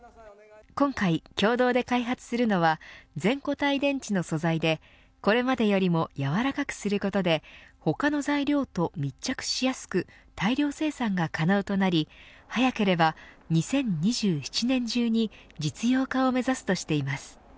今回、共同で開発するのは全固体電池の素材でこれまでよりも柔らかくすることで他の材料と密着しやすく大量生産が可能となり早ければ２０２７年中に実用化を目指すとしています。